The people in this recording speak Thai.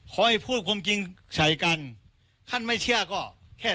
หัวให้พูดสำคัญสายกัน